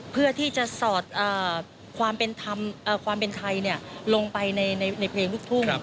เพื่อที่จะสอดความเป็นทำความเป็นไทยเนี่ยลงไปในเพลงลูกทุ่ม